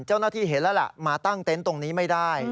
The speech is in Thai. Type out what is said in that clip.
เจ้าหน้าที่เห็นแล้วล่ะมาตั้งเต็นต์ตรงนี้ไม่ได้